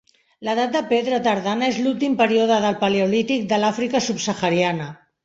L'edat de pedra tardana és l'últim període del paleolític de l'Àfrica subsahariana.